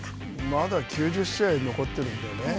まだ９０試合残っているんでね